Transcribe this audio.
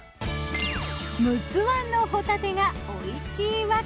陸奥湾のホタテがおいしいわけ。